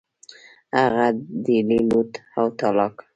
هغه ډیلي لوټ او تالا کړ.